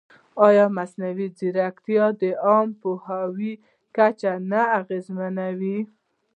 ایا مصنوعي ځیرکتیا د عامه پوهاوي کچه نه اغېزمنوي؟